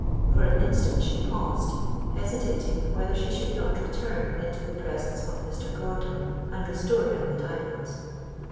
For an instant she paused, hesitating whether she should not return into the presence of Mr. Gordon and restore him the diamonds.